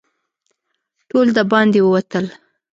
ټول د باندې ووتل.